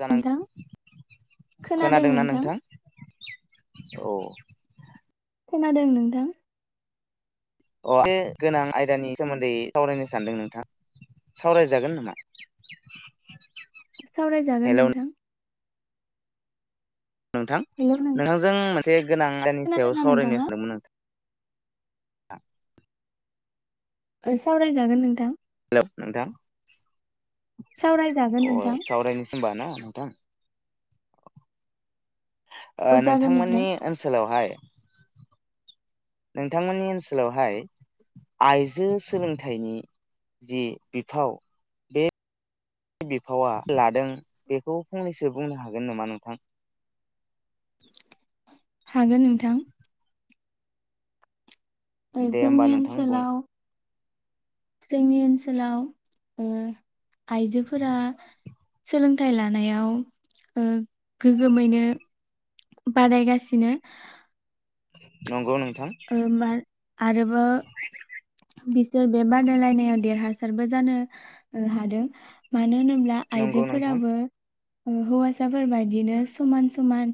जानां नोंथां खोनादों नोंथां। औ। खोनादों नोंथां। अ बे गोनां आयदानि सोमोन्दै सावरायनो सानदों नोंथां सावरायजागोन नामा? सावरायजागोन हेल' नोंथां। नोंथां हेलौ नों नोंथांजों मोन। गोनां आयदानि सायाव खोनादोंना सावरायनो नोंथाङा सानदोंमोन आ। ओ सावरायजागोन नोंथां। हेलौ नोंथां। सावरायजागोन अ नोंथां सावराय नोसोमबा ना नोंथां? ओ औ जागोन नोंथां नोंथांमोननि ओनसोलावहाय। नोंथांमोननि ओनसोलावहाय आइजो सोलोंथाइनि जि बिफाव। बिफावा लादों बेखौ फंनैसो बुंनो हागोन नामा नोंथां। हागोन नोंथां। ओय दे होमबा जोंनि नोंथां बुं ओनसोलाव। जोंनि ओनसोलाव ओ आइजोफोरा सोलोंथाइ लानायाव ओ गोग्गोमैनो बारायगासिनो। नंगौ नोंथां। आरो बो। बिसोर बे बादायलायनायाव देरहासारबो जानो ओ हादों माने। मानो होनोब्ला नंगौ नोंथां आइजोफोराबो। ओ हौवासाफोरबायदिनो समान समान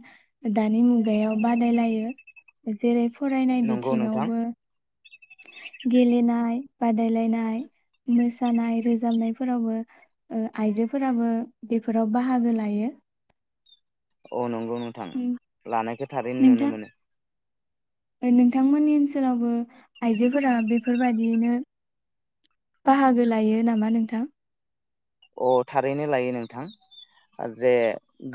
दानि मुगायाव बादायलायो जेरै फुं। फरायनाय नंगौ नोंथां बिथिङावबो। गेलेनाय बादायलायनाय मोसानाय रोजाबनायफोरावबो ओ आइजोफोराबो बेफोराव बाहागो लायो। अ नं। औ नोंथां उम, लानाय थारैनो नुनो नोंथां मोनो। नोंथांमोननि ओनसोलावबो आइजोफोरा बेफोरबायदियैनो बाहागो लायो नामा नोंथां? अ थारैनो लायो नोंथां जे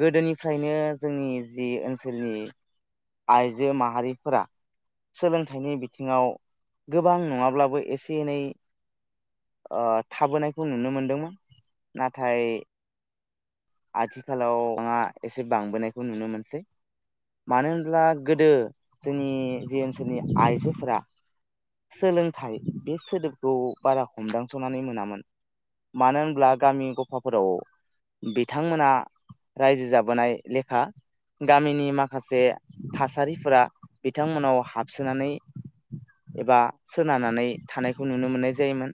गोदोनिफ्रायनो जोंनि जि ओनसोलनि आइजो माहारिफोरा सोलोंथाइनि बिथिङाव गोबां नङाब्लाबो एसे एनै ओ थाबोनायखौ नुनो मोनदोंमोन। नाथाय। आथिखालाव एसे बांबोनायखौ नुनो मोनसै मानो होनब्ला गोदो जोंनि जि ओनसोलनि आइजोफोरा सोलोंथाइ बे सोदोबखौ बारा हमदांस'नानै मोनामोन मानो होनब्ला गामि गफाफोराव बिथांमोना रायजो जाबोनाय लेखा गामिनि माखासे थासारिफोरा बिथांमोनाव हाबसोनानै एबा सोनारनानै थानायखौ नुनो मोननाय जायोमोन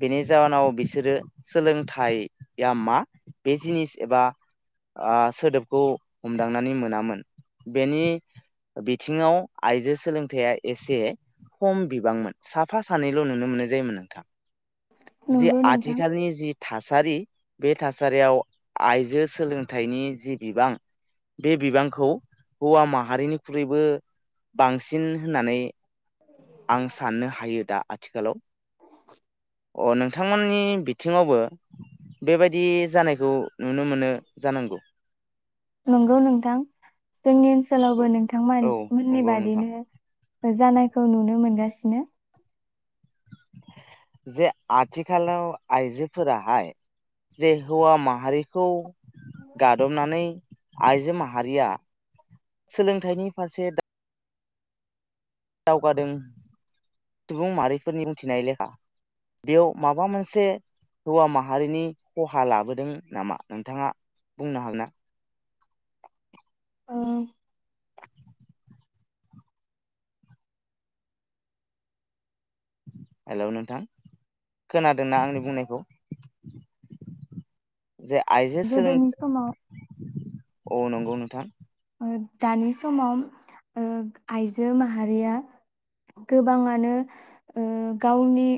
बेनि जाहोनाव बिसोरो सोलोंथाइया मा बे जिनिस एबा ओ सोदोबखौ हमदांनानै मोनामोन। बेनि बिथिङाव आइजो सोलोंथाइया एसे खम बिबांमोन साफा सानैल' नुनो मोननाय जायोमोन नोंथां। जे नंगौ नोंथां आथिखालनि जि थासारि बे थास थासारियाव आइजो सोलोंथाइनि जि बिबां बे बिबांखौ हौवा माहारिनिख्रुइबो बांसिन होननानै आं साननो हायो दा। आथिखालाव [inaudible] अ नोंथांमोननि बिथिङावबो बेबायदि दि जानायखौ नुनो मोनो जानांगौ नंगौ नोंथां जोंनि ओनसोलावबो नोंथांमोन औ मोननि नंगौ नोंथां बादिनो जानायखौ नुनो मोनगासिनो जे आथिखालाव आइजोफोराहाय जे हौवा माहारिखौ गादबनानै आइजो माहारिया सोलोंथाइनि फारसे दावगादों सुबुं माहारिफोरनि बुंथिनाय लेखा बेयाव माबा मोनसे हौवा माहारिनि खहा लाबोदों नामा नोंथाङा बुंनो हागोनना? औ हेलौ नोंथां खोनादोंना आंनि बुंनायखौ? जे आइजो सोलों गोदोनि समाव औ नंगौ न दा दानि समाव आइजो ओ माहारिया गोबाङानो ओ गावनि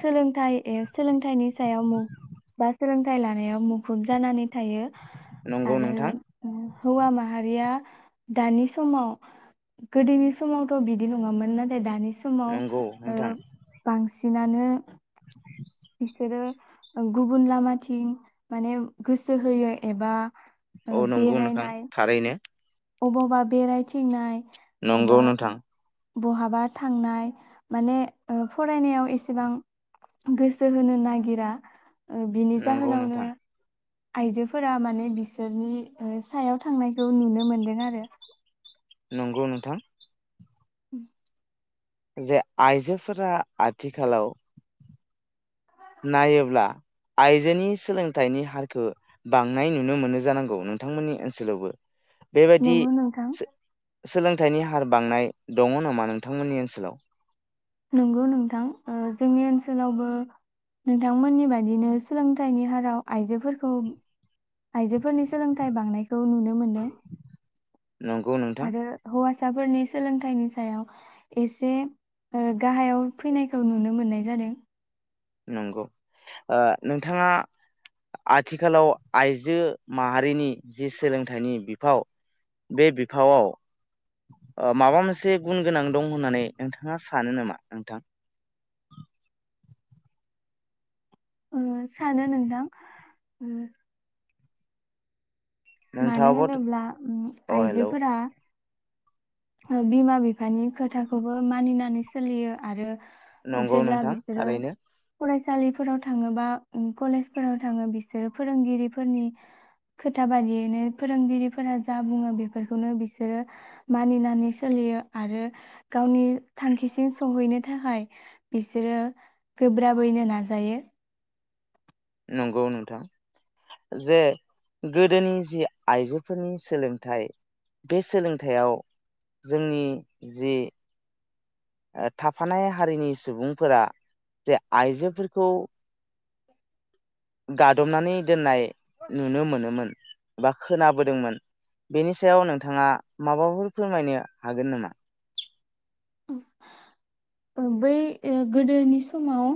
सोलोंथाइ सोलोंथाइनि सायाव बा सोलोंथाइ लानायाव मुखुब जानानै। थायो नंगौ नोंथां आरो हौवा माहारिया दानि समाव गोदोनि समावथ' बिदि नङामोन नाथाय दानि समाव नंगौ ओ नोंथां बांसिन बांसिनानो बिसोरो गुबुन लामाथिं माने गोसो होयो एबा औ ओ नंगौ नोंथां बेरायनाय थारैनो अबावबा बेरायथिंनाय नंगौ एबा नोथां बहाबा थांनाय माने ओ फरायनायाव एसेबां गोसो होनो नागिरा ओज्ञबिनि नंगौ जाहोनावनो नोंथां आइजोफोरा माने बिसोरनि सायाव थांनायखौ नुनो मोनदों आरो नंगौ नोंथां उ जे आइजोफोरा आथिखालाव नायोब्ला आइजोनि सोलोंथाइनि हारखौ बांनाय नुनो मोनो जानांगौ नोंथांमोननि ओनसोलावबो बेबायदि नंगौ नोंथां। सोलोंथाइनि हार बांनाय दङ नामा नोंथांमोननि ओनसोलाव? नंगौ नोंथां, ओ जोंनि ओनसोलावबो नोंथांमोननि बायदिनो सोलोंथाइनि हाराव आइजोफोरखौ आइजोफोरनि सोलोंथाइ बांनायखौ नुनो मोनो नंगौ नोंथां आरो हौवासा फिसाफोरनि सोलोंथाइनि सायाव एसे ओ गाहायाव फैनायखौ नुनो मोननाय जादों। नंगौ, ओ नोंथाङा आथिखालाव आइजो माहारिनि जि सोलोंथाइनि बिफाव बे बिफावआव ओ माबा मोनसे गुन गोनां दं होननानै नोंथाङा सानो नामा नोंथां? उम सानो नोंथां ओ मानो नोंथाङाबो होनोब्ला उ अ हेलौ आइजोफोरा बिमा बिफानि खोथाखौबो मानिनानै सोलियो आरो नंगौ जेब्ला नोंथां बिसोरो थारैनो फराय सालिफोराव थाङोबा उम कलेजफोराव थाङो बिसोरो फोरोंगिरिफोरनि खोथा बादियै बिनो फोरोंगिरिफोरा जा बुङो बेफोरखौनो बिसोरो मानिनानै सोलियो आरो गावनि थांखिसिम सहैनो थाखाय बिसोरो गोब्राबैनो नाजायो। नंगौ नोंथां, जे गोदोनि जि आइजोफोरनि सोलोंथाइ बे सोलोंथाइयाव जोंनि जि ओ थाफानाय हारिनि सुबुंफोरा जे आइजोफोरखौ गादबनानै दोननाय नुनो मोनोमोन बा खोनाबोदोंमोन बेनि सायाव नोंथाङा माबाफोर फोरमायनो हागोन नामा? ओ बै ओ गोदोनि समाव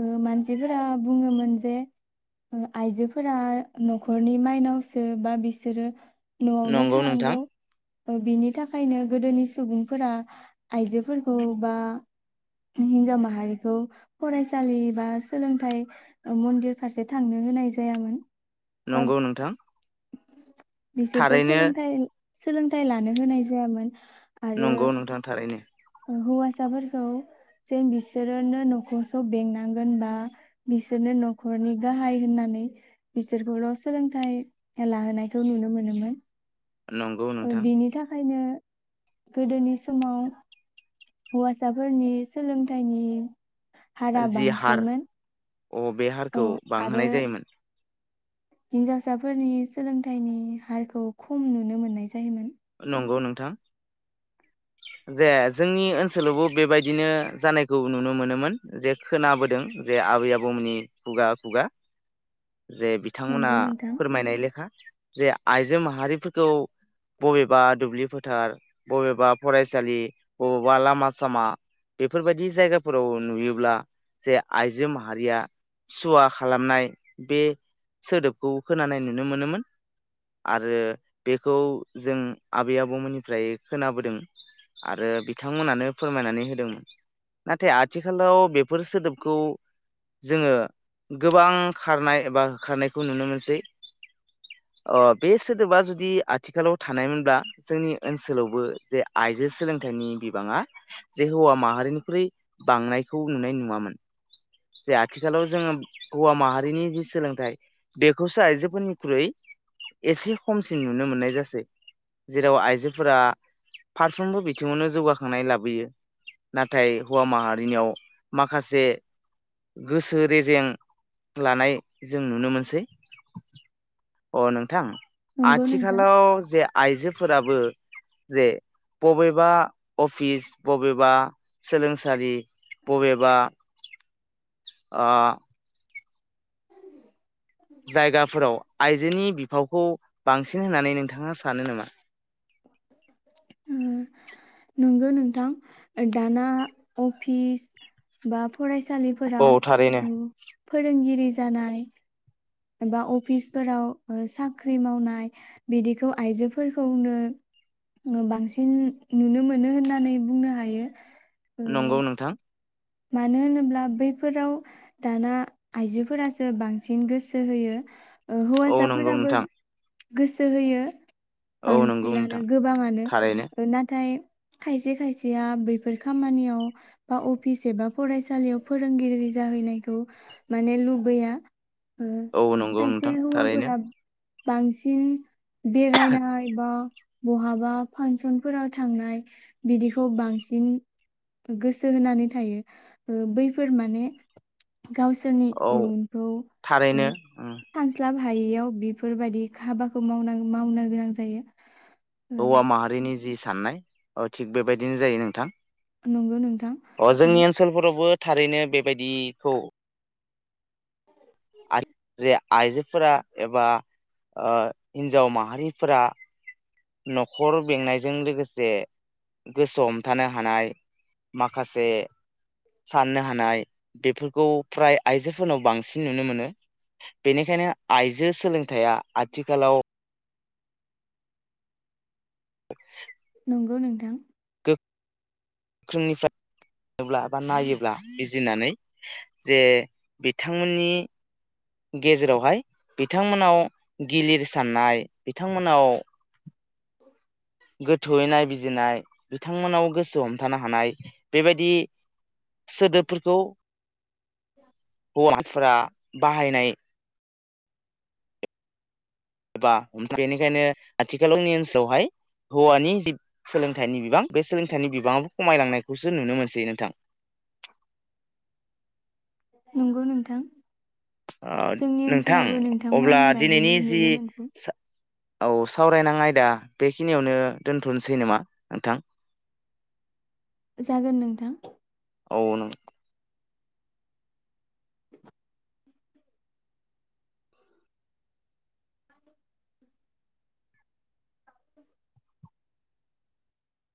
ओ मानसिफोरा बुङोमोन जे ओ आइजोफोरा न'खरनि माइनावसो बा बिसोरो न'आवनो नंगौ नोंथां थानांगौ। ओ बिनि थाखायनो गोदोनि सुबुंफोरा आइजोफोरखौ बा हिनजाव माहारिखौ फरायसालि बा सोलोंथाइ ओ मन्दिर फारसे थांनो होनाय जायामोन। बा नंगौ नोंथां। बिसोरखौ थारैनो सोलोंथाइ सोलोंथाइ लानो होनाय जायामोन आरो नंगौ नोंथां थारैनो। हौवासाफोरखौ जेन बिसोरो न'खरखौ बेंनांगोन बा बिसोरनो न'खरनि गाहाय होननानै बिसोरखौल' सोलोंथाइ लाहोनायखौ नुनो मोनोमोन। नंगौ ओ नोंथां बिनि थाखायनो गोदोनि समाव हौवासाफोरनि सोलोंथाइनि हारा जि हार बांसिनमोन। अ बे हारखौ बांहोनाय जायोमोन। हिनजावसाफोरनि सोलोंथाइनि हारखौ खम नुनो मोननाय जायोमोन। नंगौ नोंथां‌। जे जोंनि ओन ओसोलावबो बेबायदिनो जानायखौ नुनो मोनोमोन जे खोनाबोदों जे आबै आबौमोननि खुगा खुगा जे बिथांमोना नंगौ नोंथां फोरमायनाय लेखा। जे आइजो माहारिफोरखौ बबेबा दुब्लि फोथार बबेबा फरायसालि बबेबा लामा सामा बेफोरबायदि जायगाफोराव नुयोब्ला जे आइजो माहारिया सुवा खालामनाय बे सोदोबखौ खोनानाय नुनो मोनोमोन आरो बेखौ जों आबै आबौमोननिफ्राय खोनाबोदों आरो बिथांमोनानो फोरमायनानै होदोंमोन नाथाय आथिखालाव बेफोर सोदोबखौ जोङो गोबां खारनाय एबा होखारनायखौ नुनो मोनसै ओ बे सोदोबा जुदि आथिखालाव थानायमोनब्ला जोंनि ओनसोलावबो जे आइजो सोलोंथाइनि बिबाङा जे हौवा माहारिनिख्रुइ बांनायखौ नुनाय नुवामोन जे आथिखालाव जोङो हौवा माहारिनि जि सोलोंथाइ बेखौसो आइजोफोरनिख्रुइ एसे खमसिन नुनो मोननाय जासै जेराव आइजोफोरा फारफ्रोमबो बिथिङावनो जौगाखांनाय लाबोयो नाथाय हौवा माहारिनियाव माखासे गोसो रेजें लानाय जों नुनो मोनसै अ नोंथां नंगौ नोंथां आथिखालाव जे आइजोफोराबो जे बबेबा अफिस बबेबा सोलोंसालि बबेबा ओ जायगाफोराव आइजोनि बिफाव खौ बांसिन होननानै नोंथाङा सानो नामा ओ नंगौ नोंथां दाना अफिस बा औ फरायसालिफोराव थारैनो। औ फोरोंगिरि जानाय एबा अफिसफोराव ओ साख्रि मावनाय बिदिखौ आइजोफोरखौनो बांसिन नुनो मोनो होननानै बुंनो हायो नंगौ ओ, नोंथां मानो होनोब्ला बैफोराव दाना आइजोफोरासो बांसिन गोसो होयो ओ औ नंगौ हौवासाफोराबो नोंथां गोसो होयो औ नंगौ बांसिनानो नोंथां गोबाङानो थारैनो नाथाय खायसे खायसेया बैफोर खामानियाव बा अफिस एबा फरायसालियाव फोरोंगिरि जाहैनायखौ माने लुबैया ओ औ नंगौ नोंथां खायसे थारैनो हौवाफोरा बांसिन बेरायरायना एबा बहाबा फांसनफोराव थांनाय बिदिखौ बांसिन गोसो होनानै थायो ओ बैफोर माने गावसोरनि औ इयुनखौ थारैनो सानस्लाब हायैयाव बेफोरबायदि हाबाखौ माव मावनो गोनां जायो ओ हौवा माहारिनि जि साननाय औ थिग बेबायदिनो जायो नोंथां नंगौ नोंथां अ माने जोंनि ओनसोलफोरावबो थारैनो बेबायदिखौ [unintelligible] आइजोफोरा एबा ओ हिन्जाव माहारिफोरा नखर बेंनायजों लोगोसे गोसो हमथानो हानाय माखासे साननो हानाय बेफोरखौ फ्राय आइजोफोरनाव बांसिन नुनो मोनो बेनिखायनो आइजो सोलोंथाइया आथिखालाव नंगौ नोंथां [unintelligible] बा नायोब्ला बिजिरनानै जे बिथांमोननि गेजेरावहाय बिथांमोननाव गिलिर साननाय बिथांमोननाव गोथौयै नायबिजिरनाय बिथांमोननाव गोसो हमथानो हानाय बेबायदि सोदोबफोरखौ [inaudible] हौवाफोरा बाहायनाय एबा बेनिखायनो आथिखालावनि ओनसोलावहाय हौवानि जि सोलोंथाइनि बिबां बे सोलोंथाइनि बिबाङाब खमायलांनायखौसो नुनो मोनसै नोंथां। नंगौ नोंथां जोंनि नोंथां ओनसोलावबो अब्ला नोंथांमोननि दिनैनि बायदिनो जि नुनो मोनसै औ सावरायनां आयदा बेखिनियावनो दोनथ'नोसै नामा नोंथां। जागोन नोंथां औ नों [inaudible]